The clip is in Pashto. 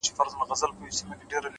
• له اسمان مي ګيله ده,